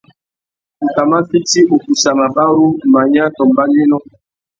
Tu tà mà fiti ukussa mabarú, manya tô mbanuénô.